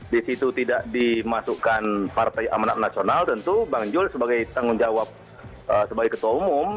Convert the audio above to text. di situ tidak dimasukkan partai amanat nasional tentu bang jul sebagai tanggung jawab sebagai ketua umum